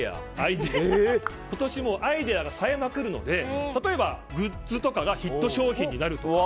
今年もアイデアがさえまくるので例えばグッズとかがヒット商品になると。